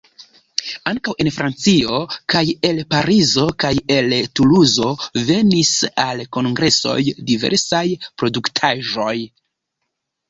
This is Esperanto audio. Ankaŭ en Francio kaj el Parizo kaj el Tuluzo venis al kongresoj diversaj produktaĵoj.